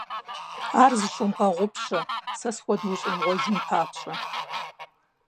Ар зыщумыгъэгъупщэ, сэ схуэдэу ущӀемыгъуэжын папщӀэ.